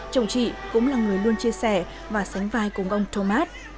chồng chị cũng là người luôn chia sẻ và sánh vai cùng ông thomas